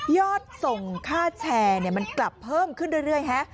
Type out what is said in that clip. อดส่งค่าแชร์มันกลับเพิ่มขึ้นเรื่อยฮะ